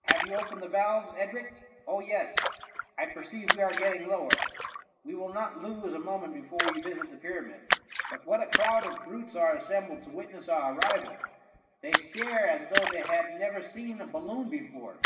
Have you opened the valves, Edric ? Oh yes ! I perceive we are getting lower ; we will not lose a moment before we visit the Pyramid. But what a crowd of brutes are assembled to witness our arrival ! they stare as though they had ne« ver seen a balloon before.